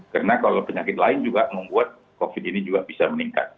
karena kalau penyakit lain juga membuat covid sembilan belas ini bisa meningkat